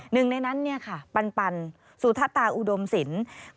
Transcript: หนึ่งในนั้นค่ะปันสูทัศน์ตาอุดมสิน